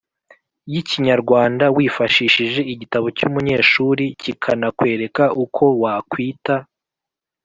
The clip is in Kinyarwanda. y’Ikinyarwanda wifashishije igitabo cy’umunyeshuri. Kikanakwereka uko wakwita